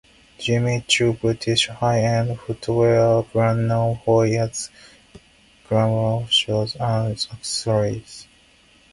Jimmy Choo - British high-end footwear brand known for its glamorous shoes and accessories.